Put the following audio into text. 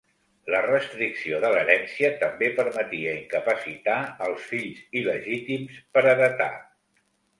La restricció de l'herència també permetia incapacitar els fills il·legítims per heretar.